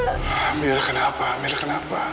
amira kenapa amira kenapa